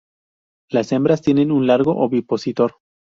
Las hembras tienen un largo ovipositor.